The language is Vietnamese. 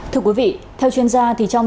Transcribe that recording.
thưa quý vị theo chuyên gia thì trong